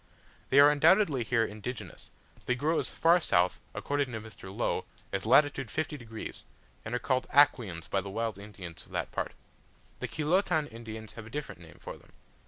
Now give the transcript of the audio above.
They are undoubtedly here indigenous: they grow as far south, according to Mr. Low, as lat. 50 degs., and are called Aquinas by the wild Indians of that part: the Chilotan Indians have a different name for them.